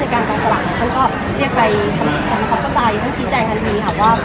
และถึงก็เรียกภัยเพียวของเขาต้องก็ใจ